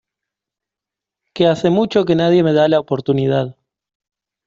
que hace mucho que nadie me da la oportunidad